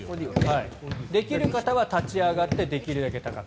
できる方は立ち上がってできるだけ高く。